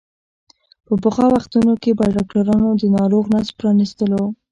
په پخوا وختونو کې به ډاکترانو د ناروغ نس پرانستلو.